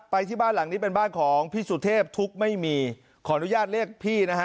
ที่บ้านหลังนี้เป็นบ้านของพี่สุเทพทุกข์ไม่มีขออนุญาตเรียกพี่นะฮะ